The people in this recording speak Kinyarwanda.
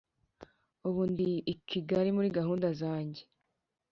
ubu ndi i kigai muri gahunda zanjye